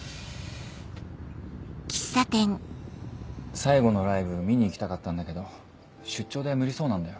最後のライブ見に行きたかったんだけど出張で無理そうなんだよ。